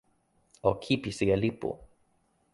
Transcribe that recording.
o kipisi e lipu.